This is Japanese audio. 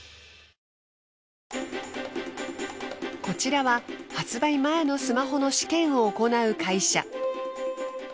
こちらは発売前のスマホの試験を行う会社。